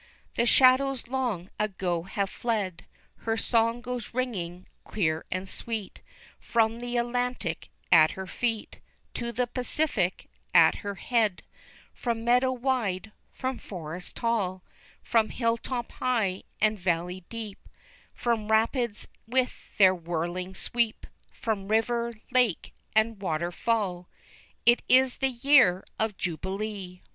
_ The shadows long ago have fled, Her song goes ringing clear and sweet, From the Atlantic at her feet, To the Pacific at her head; From meadow wide, from forest tall, From hill top high and valley deep, From rapids with their whirling sweep, From river, lake, and waterfall: _It is the YEAR of JUBILEE!